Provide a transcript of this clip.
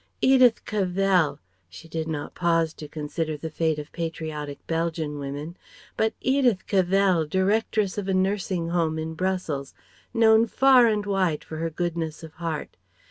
Edith Cavell she did not pause to consider the fate of patriotic Belgian women but Edith Cavell, directress of a nursing home in Brussels, known far and wide for her goodness of heart.